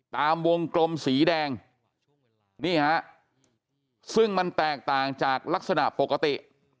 ตามวงกลมสีแดงนี่ฮะซึ่งมันแตกต่างจากลักษณะปกติ